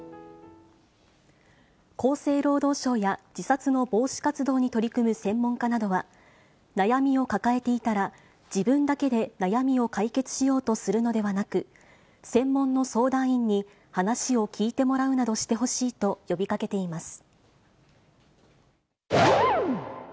厚生労働省や自殺の防止活動に取り組む専門家などは、悩みを抱えていたら、自分だけで悩みを解決しようとするのではなく、専門の相談員に話を聞いてもらうなどしてほしいと呼びかけています。